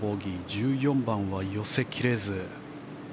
１４番は寄せ切れず。